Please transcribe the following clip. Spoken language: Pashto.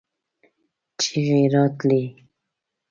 چيغې راتلې.